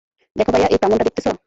দেখো ভাইয়া, এই প্রাঙ্গনটা দেখতেছো?